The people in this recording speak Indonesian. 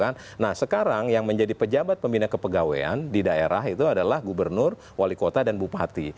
nah sekarang yang menjadi pejabat pembina kepegawaian di daerah itu adalah gubernur wali kota dan bupati